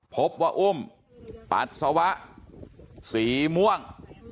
พบว่าอุ้มปัสสาวะสีม่วง